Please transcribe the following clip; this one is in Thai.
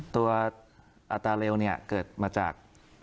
ตัวอัตราเร็วเกิดมาจาก